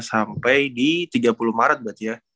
sampai di tiga puluh maret berarti ya